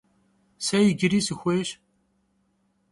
Se yicıri sıxuêyş.